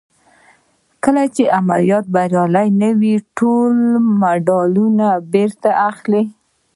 کله چې عملیات بریالي نه وي ټول مډالونه بېرته ترې اخلي.